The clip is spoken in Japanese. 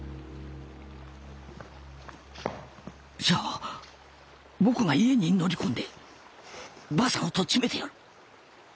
じゃあ僕が家に乗り込んで婆さんをとっちめてやる。